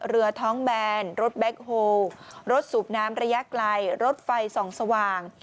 เรือท้องแบนรถแบ็คโฮลรถสูบน้ำระยะไกลรถไฟส่องสว่าง